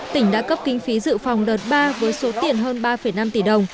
tỉnh đã cấp kinh phí dự phòng đợt ba với số tiền hơn ba năm tỷ đồng